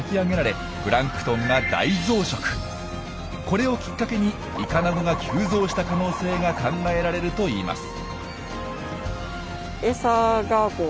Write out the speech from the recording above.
これをきっかけにイカナゴが急増した可能性が考えられるといいます。